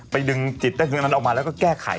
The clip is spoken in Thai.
ไปดึงจิตใต้สนึกออกมาแล้วก็แก้ไข